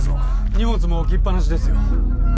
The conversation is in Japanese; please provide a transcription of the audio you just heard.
荷物も置きっ放しですよ。